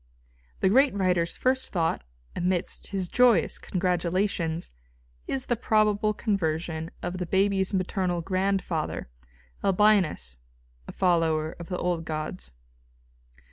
The great writer's first thought, amidst his joyous congratulations, is the probable conversion of the baby's maternal grandfather, Albinus, a follower of the old gods.